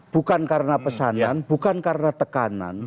bukan karena pesanan bukan karena tekanan